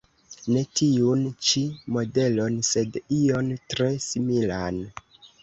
Ne tiun ĉi modelon, sed ion tre similan.